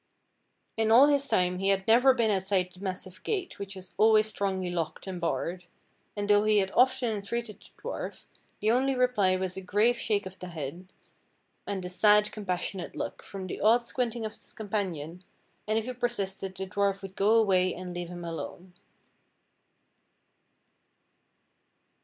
In all this time he had never been outside the massive gate which was always strongly locked and barred; and though he had often entreated the dwarf, the only reply was a grave shake of the head, and a sad, compassionate look, from the odd squinting eyes of his companion, and if he persisted the dwarf would go away and leave him alone.